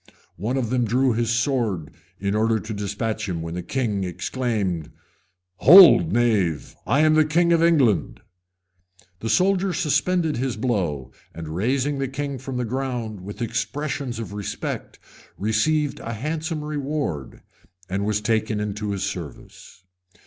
One of them drew his sword in order to despatch him, when the king exclaimed, "Hold, knave! I am the king of England." The soldier suspended his blow and, raising the king from the ground with expressions of respect, received a handsome reward, and was taken into his service.